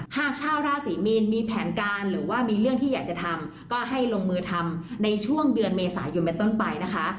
หากชาวราศรีมีนมีแผนการหรือว่ามีเรื่องที่อยากจะทำก็ให้ลงมือทำในช่วงเดือนเมษายนเป็นต้นไปนะคะ